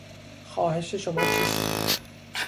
خواهش شما چیست؟